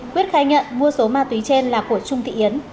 quyết khai nhận mua số ma túy trên là của trung thị yến